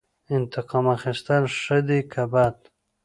انتقام اخیستل ښه دي که بد؟